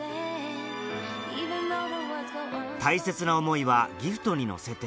大切な思いはギフトに乗せて